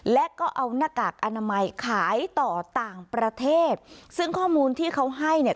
และก็เอาหน้ากากอนามัยขายต่อต่างประเทศซึ่งข้อมูลที่เขาให้เนี่ย